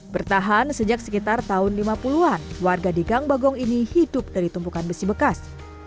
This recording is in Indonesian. bertahan sejak sekitar tahun lima puluh an warga di gang bagong ini hidup dari tumpukan besi bekas